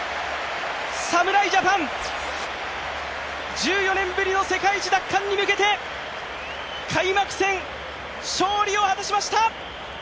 侍ジャパン、１４年ぶりの世界一奪還に向けて、開幕戦、勝利を果たしました。